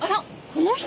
この人。